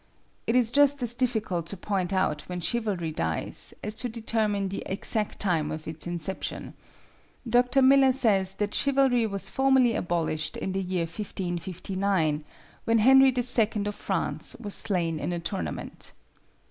It is just as difficult to point out when chivalry dies, as to determine the exact time of its inception. Dr. Miller says that Chivalry was formally abolished in the year 1559, when Henry II. of France was slain in a tournament.